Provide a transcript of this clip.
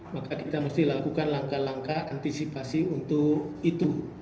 maka kita harus melakukan langkah langkah antisipasi untuk itu